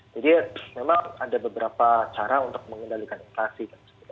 jadi memang ada beberapa cara untuk mengendalikan inflasi